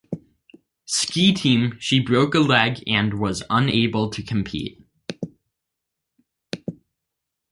Ski Team, she broke a leg and was unable to compete.